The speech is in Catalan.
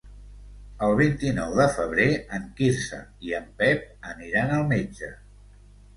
El vint-i-nou de febrer en Quirze i en Pep aniran al metge.